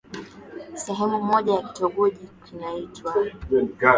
sehemu moja ya kitogoji kinaitwa